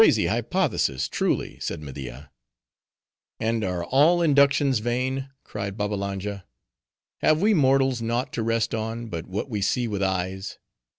"A most crazy hypothesis, truly," said Media. "And are all inductions vain?" cried Babbalanja. "Have we mortals naught to rest on, but what we see with eyes?